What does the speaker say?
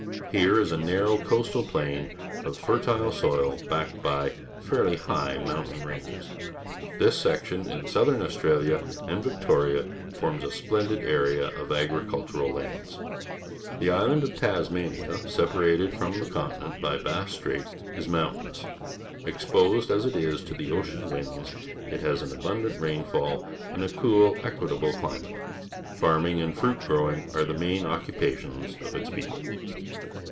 Here is a narrow coast al plain of fertile soil, backed by fairly high mountain ranges. This section, in S outh Auftirnhn .qnd Virfnrin^ forms !^,^ 2lendid area of agri£uLtur^ Lmds^ The island of Tosniani a^ .separated from th£ continent by Bass Strait, is mountain ouSj Exposed as it is to the ocean winds, it has an abundant rainfall and a cool, equftWe eli«iate. Farming and fruit grow ing are the main occupations of its people.